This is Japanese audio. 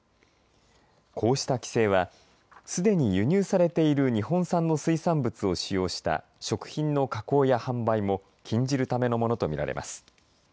こうした規制はすでに輸入されている日本産の水産物を使用した食品の加工や販売も禁じるためのものと見られます。